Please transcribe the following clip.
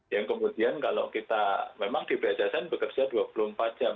yang kemudian kalau kita memang di bssn bekerja dua puluh empat jam